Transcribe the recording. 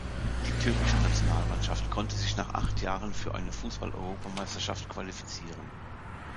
Die türkische Nationalmannschaft konnte sich nach acht Jahren für eine Fußball-Europameisterschaft qualifizieren.